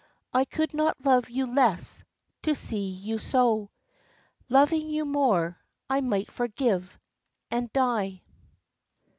I could not love you less, to see you so. Loving you more, I might forgive and die.